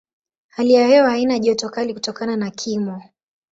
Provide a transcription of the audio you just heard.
Hali ya hewa haina joto kali kutokana na kimo.